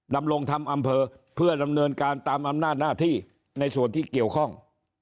ดำรงทำอำเภอเพื่อดำเนินการตามอำนาจหน้าที่ในส่วนที่เกี่ยวข้อง